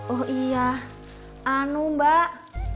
oh iya anu mbak